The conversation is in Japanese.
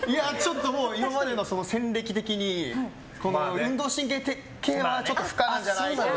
今までの戦歴的に運動神経系は不可なんじゃないかなと。